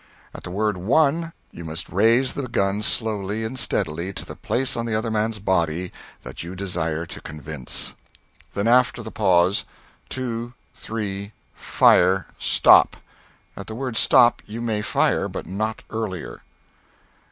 At the word "One," you must raise the gun slowly and steadily to the place on the other man's body that you desire to convince. Then, after a pause, "two, three fire Stop!" At the word "stop," you may fire but not earlier.